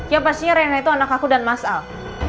ya pastinya rena itu anak aku dan mas al